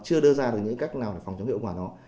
chưa đưa ra được những cách nào để phòng chống hiệu quả nó